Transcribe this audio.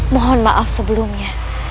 mohon maaf sebelumnya